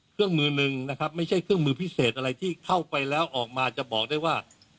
เครื่องมือหนึ่งนะครับไม่ใช่เครื่องมือพิเศษอะไรที่เข้าไปแล้วออกมาจะบอกได้ว่า